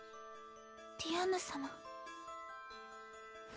ディアンヌ様。